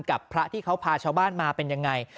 กับพระที่เขาพาชาวบ้านมาเป็นยังไง